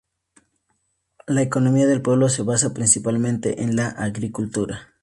La economía del pueblo se basa principalmente en la agricultura.